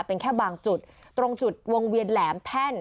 เป็นแค่บางจุดตรงจุดวงเวียนแหลมแท่น